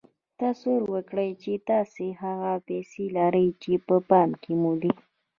تصور وکړئ چې تاسې هغه پيسې لرئ چې په پام کې مو دي.